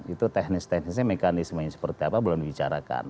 itu teknis teknisnya mekanismenya seperti apa belum dibicarakan